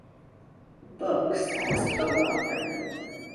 Books as (co) author